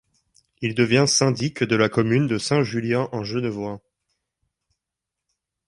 Il devient syndic de la commune de Saint-Julien-en-Genevois.